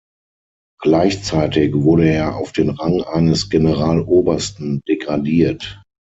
Gleichzeitig wurde er auf den Rang eines Generalobersten degradiert.